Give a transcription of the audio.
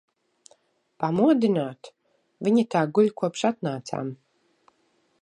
Pamodināt? Viņa tā guļ, kopš atnācām.